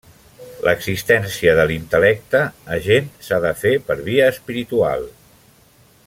L'existència de l'intel·lecte agent s'ha de fer per via espiritual.